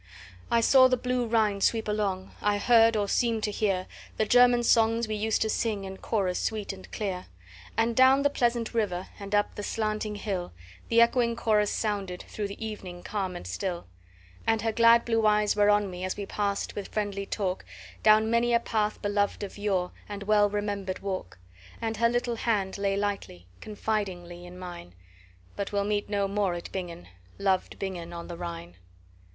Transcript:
"I saw the blue Rhine sweep along, I heard, or seemed to hear, The German songs we used to sing, in chorus sweet and clear; And down the pleasant river, and up the slanting hill, The echoing chorus sounded, through the evening calm and still; And her glad blue eyes were on me, as we passed, with friendly talk, Down many a path beloved of yore, and well remembered walk! And her little hand lay lightly, confidingly, in mine, But we'll meet no more at Bingen, loved Bingen on the Rhine."